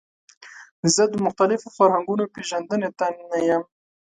زه د مختلفو فرهنګونو پیژندنې ته نه یم.